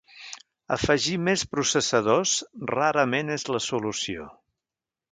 Afegir més processadors rarament és la solució.